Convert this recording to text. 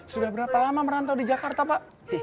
sudah berapa lama merantau di jakarta pak